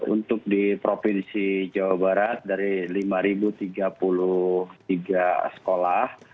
untuk di provinsi jawa barat dari lima tiga puluh tiga sekolah